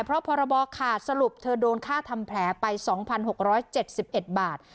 เพราะพรบอขาดสรุปเธอโดนฆ่าทำแผลไปสองพันหกร้อยเจ็ดสิบเอ็ดบาท